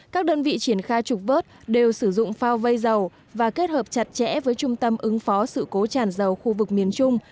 các đơn vị triển khai trục vớt đều sử dụng phao vây dầu và kết hợp chặt chẽ với trung tâm ứng phó sự cố tràn dầu khu vực miền trung